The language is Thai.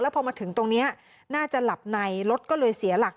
พอมาถึงตรงนี้น่าจะหลับในรถก็เลยเสียหลัก